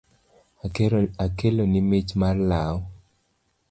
Akeloni mich mar lau.